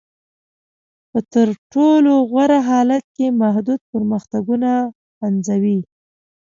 په تر ټولو غوره حالت کې محدود پرمختګونه پنځوي.